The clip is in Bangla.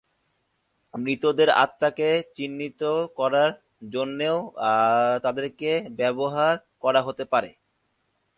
মৃতদের আত্মাকে চিহ্নিত করার জন্যেও তাদেরকে ব্যবহার করা হতে পারে।